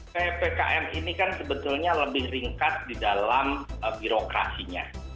ppkm ini kan sebetulnya lebih ringkat di dalam birokrasinya